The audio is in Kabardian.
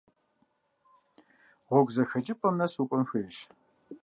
Гъуэгу зэхэкӏыпӏэм нэс укӏуэн хуейщ.